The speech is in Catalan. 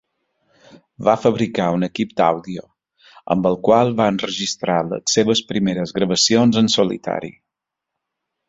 Va fabricar un equip d'àudio, amb el qual va enregistrar les seves primeres gravacions en solitari.